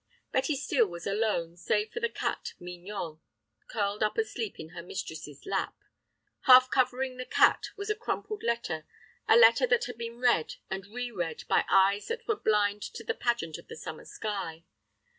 Betty Steel was alone, save for the cat Mignon, curled up asleep in her mistress's lap. Half covering the cat was a crumpled letter, a letter that had been read and reread by eyes that were blind to the pageant of the summer sky.